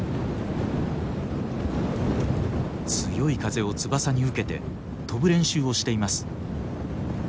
強い風を翼に受けて飛ぶ練習をしています。